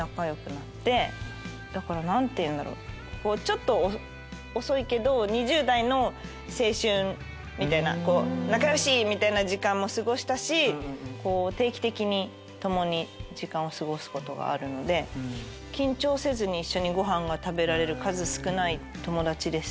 だから何て言うんだろうちょっと遅いけど２０代の青春みたいな仲良し！みたいな時間も過ごしたし定期的に共に時間を過ごすことがあるので緊張せずに一緒にごはんが食べられる数少ない友達です。